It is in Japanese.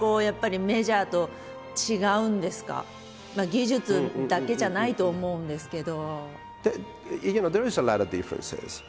技術だけじゃないと思うんですけど。